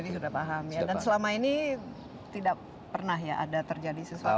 jadi sudah paham ya dan selama ini tidak pernah ya ada terjadi sesuatu